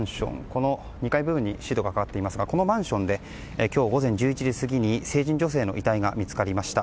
この２階部分にシートがかかっていますがこのマンションで今日午前１１時過ぎに成人女性の遺体が見つかりました。